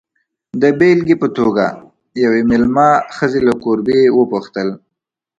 د بېلګې په توګه، یوې مېلمه ښځې له کوربې وپوښتل.